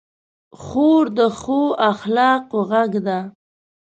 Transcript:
خور د ښو اخلاقو غږ ده.